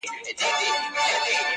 نجلۍ نوم کله کله يادېږي تل,